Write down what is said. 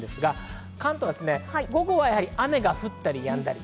関東は午後はやはり雨が降ったりやんだり。